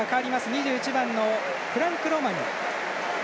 ２１番のフランク・ロマニ。